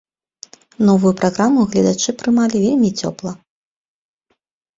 Новую праграму гледачы прымалі вельмі цёпла.